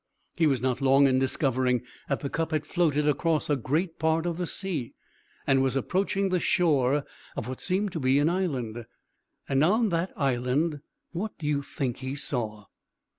He was not long in discovering that the cup had floated across a great part of the sea, and was approaching the shore of what seemed to be an island. And, on that island, what do you think he saw?